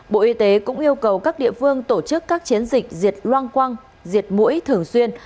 bộ y tế cũng yêu cầu các địa phương tổ chức các chiến dịch diệt loang quang diệt mũi thường xuyên